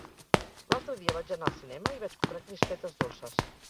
L'altre dia vaig anar al cinema i vaig comprar crispetes dolces